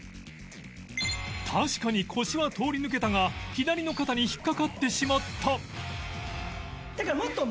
確かに腰は通り抜けたが左の肩に引っ掛かってしまった